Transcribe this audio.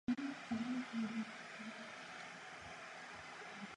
U některých druhů jsou semena křídlatá.